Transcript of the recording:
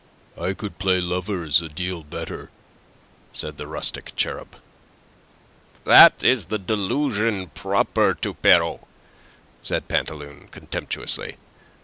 "I could play lovers a deal better," said the rustic cherub. "That is the delusion proper to Pierrot," said Pantaloon, contemptuously.